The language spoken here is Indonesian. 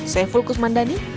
saya fulkus mandani